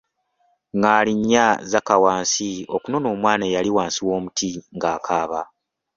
Ngaali nnya zakka wansi okunona omwana eyali wansi w'omuti ng'akaaba.